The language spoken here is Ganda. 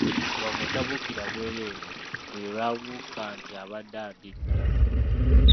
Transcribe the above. Wango tabuukira bwereere, buli lwabuuka nti abadde andidde.